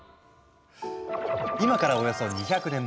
今からおよそ２００年前。